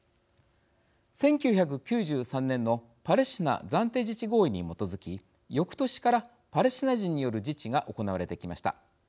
１９９３年のパレスチナ暫定自治合意に基づきよくとしからパレスチナ人による自治が行われてきました。